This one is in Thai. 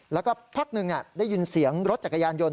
แล้วก็พักหนึ่งได้ยินเสียงรถจักรยานยนต